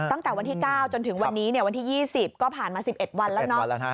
ตั้งแต่วันที่๙จนถึงวันนี้วันที่๒๐ก็ผ่านมา๑๑วันแล้วเนาะ